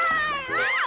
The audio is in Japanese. あっ。